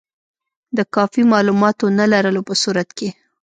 د کافي معلوماتو نه لرلو په صورت کې.